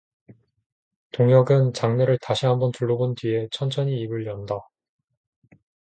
동혁은 장내를 다시 한번 둘러본 뒤에 천천히 입을 연다.